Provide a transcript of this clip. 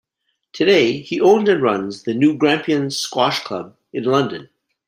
Today, he owns and runs the New Grampians Squash Club in London.